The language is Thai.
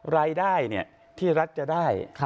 รายได้ที่รัฐจะได้